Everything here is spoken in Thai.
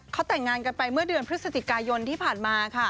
เขาแต่งงานกันไปเมื่อเดือนพฤศจิกายนที่ผ่านมาค่ะ